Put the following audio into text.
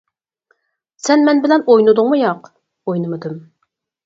-سەن مەن بىلەن ئوينىدىڭمۇ ياق؟ -ئوينىمىدىم!